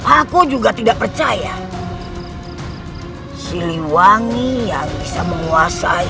aku juga tidak menguasainya satu siliwangi memiliki kekuatan sedasar itu aku tidak menyangka siliwangi memiliki kekuatan sedasar itu